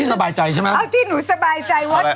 สบายใจใช่ไหมเอาที่หนูสบายใจว่า